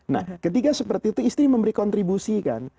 nah ketika seperti itu istri memberi kontribusi kan